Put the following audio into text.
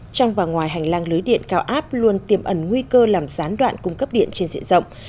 trong và ngoài hành lang lưới điện cao áp luôn tiềm ẩn nguy cơ làm gián đoạn cung cấp điện trên diện rộng